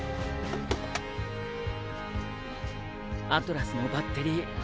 アトラスのバッテリー。